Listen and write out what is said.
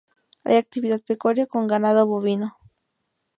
Hay actividad pecuaria con ganado bovino.